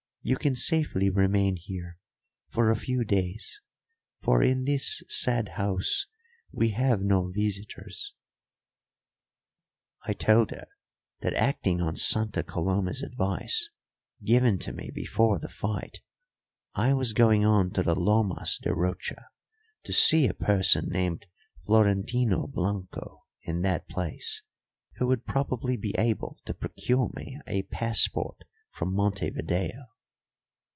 You can safely remain here for a few days, for in this sad house we have no visitors." I told her that, acting on Santa Coloma's advice, given to me before the fight, I was going on to the Lomas de Rocha to see a person named Florentino Blanco in that place, who would probably be able to procure me a passport from Montevideo.